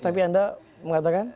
tapi anda mengatakan